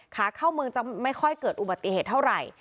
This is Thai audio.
ขาเข้าเมืองจะไม่ค่อยเกิดอุบัติเหตุเท่าไหร่